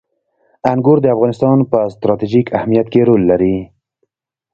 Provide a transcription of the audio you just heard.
انګور د افغانستان په ستراتیژیک اهمیت کې رول لري.